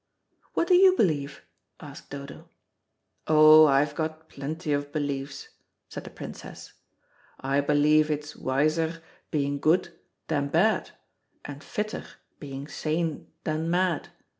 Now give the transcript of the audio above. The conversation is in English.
"What do you believe?" asked Dodo. "Oh, I've got plenty of beliefs," said the Princess. "I believe it's wiser being good than bad, and fitter being sane than mad.